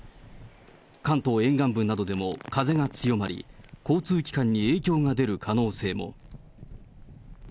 関東沿岸部などでも風が強まり、交通機関に影響が出る可能性も。